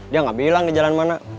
dia gak bilang di jalan mana